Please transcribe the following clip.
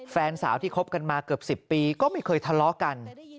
แฟนสาวที่คบกันมาเกือบ๑๐ปีก็ไม่เคยทะเลาะกัน